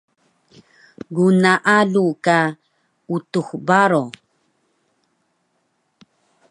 Gnaalu ka Utux Baro